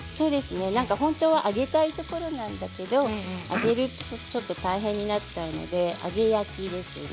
本当は揚げたいところなんですが揚げるとちょっと大変になっちゃうので揚げ焼きですね。